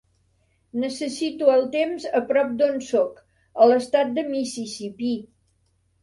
Necessito el temps a prop d'on soc, a l'estat de Mississipí